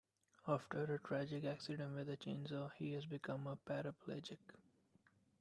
After a tragic accident with a chainsaw he has become a paraplegic.